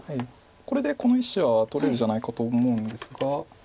これでこの１子は取れるじゃないかと思うんですが。